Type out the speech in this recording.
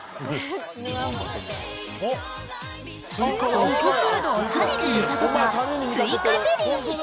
［ドッグフードを種に見立てたスイカゼリー］